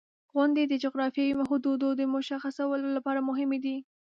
• غونډۍ د جغرافیوي حدودو د مشخصولو لپاره مهمې دي.